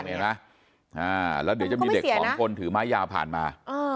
ขุดแพงนะแล้วเดี๋ยวมีเด็ก๒คนถือไม้ยาวผ่านมา